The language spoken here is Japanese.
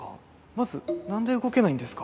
まずなんで動けないんですか？